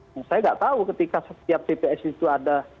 saya tidak tahu ketika setiap tps itu ada